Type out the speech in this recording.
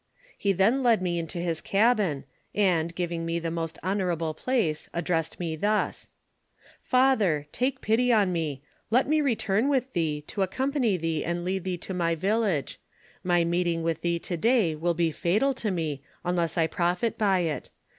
He then led me into his cabin, and, giving me the most honorable place, addressed me thus :—" Father ! take pity on me : let me return with thee, to ac company thee and lead thee to my village ; my meeting with thee to day will be fatal to me, unless I profit by it.